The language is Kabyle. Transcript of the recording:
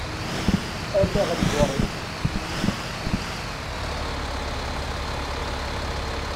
Err aɣenbur-ik.